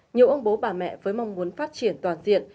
nhiều ông bố bà mẹ với mong muốn phát triển toàn diện